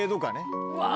うわ。